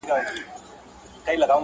خدای په ژړا دی، خدای پرېشان دی.